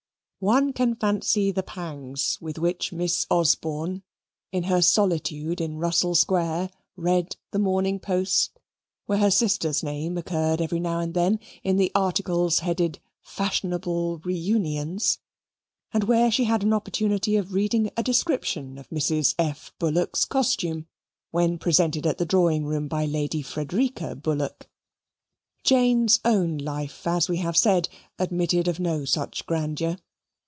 One can fancy the pangs with which Miss Osborne in her solitude in Russell Square read the Morning Post, where her sister's name occurred every now and then, in the articles headed "Fashionable Reunions," and where she had an opportunity of reading a description of Mrs. F. Bullock's costume, when presented at the drawing room by Lady Frederica Bullock. Jane's own life, as we have said, admitted of no such grandeur.